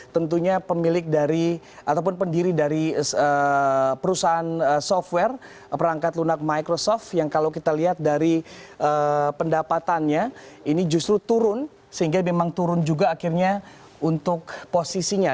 tentunya pemilik dari ataupun pendiri dari perusahaan software perangkat lunak microsoft yang kalau kita lihat dari pendapatannya ini justru turun sehingga memang turun juga akhirnya untuk posisinya